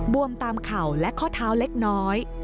วมตามเข่าและข้อเท้าเล็กน้อย